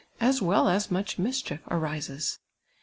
as well as miu'h mischief, arises.